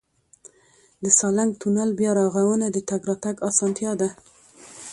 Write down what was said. د سالنګ تونل بیا رغونه د تګ راتګ اسانتیا ده.